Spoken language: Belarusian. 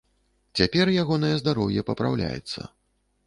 Цяпер ягонае здароўе папраўляецца.